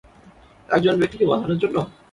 একজন ব্যক্তিকে বাঁচানোর জন্য?